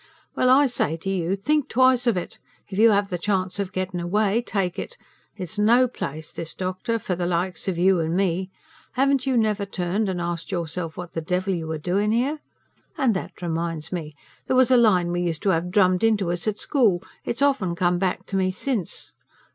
"Well, I say to you, think twice of it! If you have the chance of gettin' away, take it. It's no place this, doctor, for the likes of you and me. Haven't you never turned and asked yourself what the devil you were doin' here? And that reminds me.... There was a line we used to have drummed into us at school it's often come back to me since.